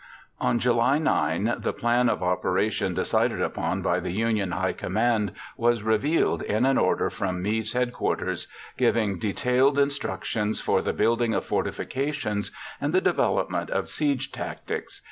On July 9, the plan of operations decided upon by the Union high command was revealed in an order from Meade's headquarters giving detailed instructions for the building of fortifications and the development of siege tactics.